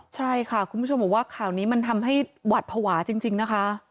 ใช่ค่ะคุณผู้ชมบอกว่าข่าวนี้มันทำให้หวัดภาวะจริงนะคะ